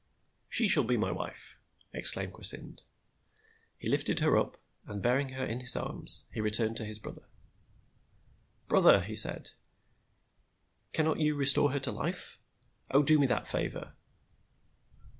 "She shall be my wife!" exclaimed Kwasynd. He lifted her up, and bearing her in his arms, he returned to his brother. "Brother," he said, "cannot you restore her to life? Oh, do me that favor!"